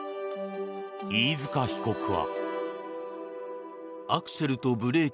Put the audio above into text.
飯塚被告は。